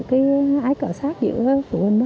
cái ái cỡ sát giữa phụ huynh đó